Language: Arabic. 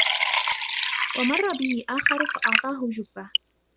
وَمَرَّ بِهِ آخَرُ فَأَعْطَاهُ جُبَّةً